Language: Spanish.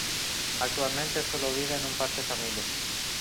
Actualmente sólo viven un par de familias.